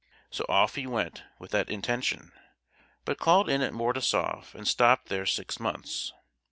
So off he went with that intention; but called in at Mordasoff, and stopped there six months.